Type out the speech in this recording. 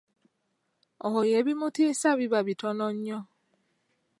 Oyo ebimutiisa biba bitono nnyo!